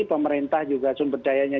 pemerintah juga sumber dayanya